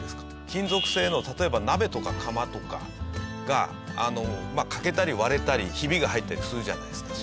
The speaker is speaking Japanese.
金属製の例えば鍋とか釜とかが欠けたり割れたりヒビが入ったりするじゃないですか。